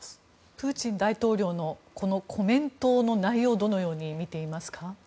プーチン大統領のこのコメントの内容をどのように見ていますか？